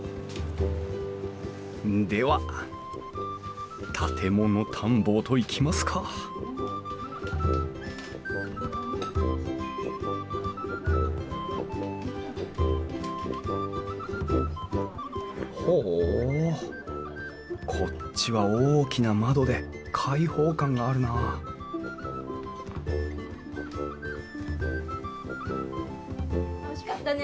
では建物探訪といきますかほうこっちは大きな窓で開放感があるなあおいしかったね。